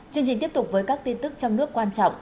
chương trình tiếp tục với các tin tức trong nước quan trọng